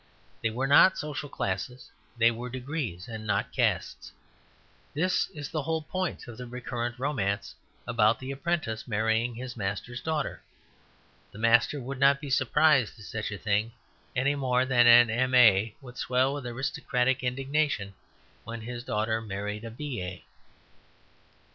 They were not social classes; they were degrees and not castes. This is the whole point of the recurrent romance about the apprentice marrying his master's daughter. The master would not be surprised at such a thing, any more than an M.A. would swell with aristocratic indignation when his daughter married a B.A.